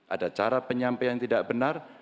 ada cara penyampaian yang tidak benar